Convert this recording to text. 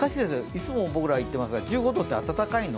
いつも僕ら言ってますけど１５度って暖かいの？